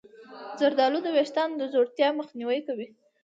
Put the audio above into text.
زردآلو د ویښتانو د ځوړتیا مخنیوی کوي.